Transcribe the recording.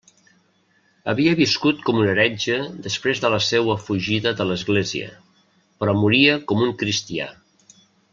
Havia viscut com un heretge després de la seua fugida de l'església, però moria com un cristià.